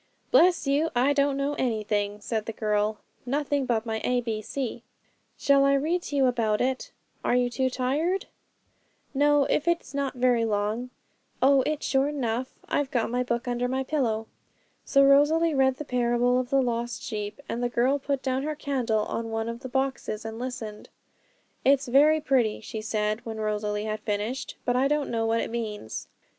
'Bless you! I don't know anything,' said the girl; 'nothing but my A B C.' 'Shall I read to you about it; are you too tired?' 'No, not if it's not very long.' 'Oh, it's short enough; I've got my book under my pillow.' So Rosalie read the parable of the Lost Sheep; and the girl put down her candle on one of the boxes and listened. 'It's very pretty,' she said, when Rosalie had finished, 'but I don't know what it means.'